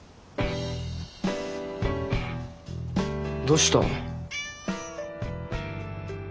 どうした？